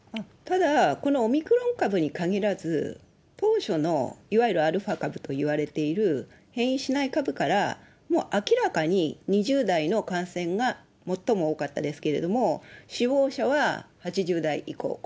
ただ、このオミクロン株に限らず、当初の、いわゆるアルファ株といわれてる、変異しない株から、もう明らかに、２０代の感染が最も多かったですけど、死亡者は８０代以降。